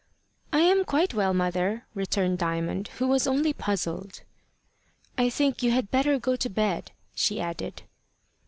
"I am quite well, mother," returned Diamond, who was only puzzled. "I think you had better go to bed," she added.